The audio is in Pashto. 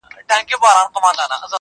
قدرت ژوند، دین او ناموس د پاچاهانو.